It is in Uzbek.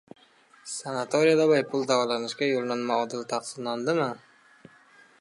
Sanatoriyada bepul davolanishga yo‘llanma odil taqsimlanadimi?